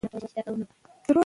اقتصاد د رفاه لوړولو هڅه کوي.